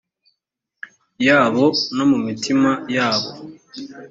yabo no mu mitima yabo